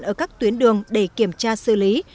ở các tuyến đường để kiểm tra xử lý